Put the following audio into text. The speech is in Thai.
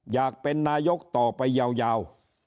อยากเป็นนายกต่อไปยาว